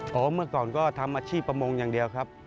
ก่อนก็ยังทำอาชีพประมงงานเดียวครับ